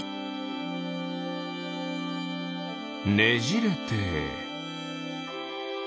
ねじれて。